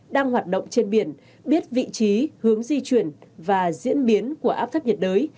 đang hoạt động trên biển biết vị trí hướng di chuyển và diễn biến của áp thấp nhiệt đới